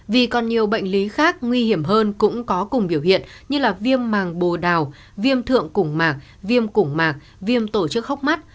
vì còn nhiều bệnh lý khác nguy hiểm hơn cũng có cùng biểu hiện như viêm màng bồ đào viêm thượng mạc viêm củng mạc viêm tổ chức hóc mắt